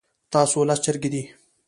تاسره لس چرګې دي